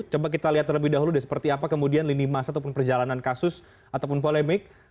coba kita lihat terlebih dahulu deh seperti apa kemudian lini masa ataupun perjalanan kasus ataupun polemik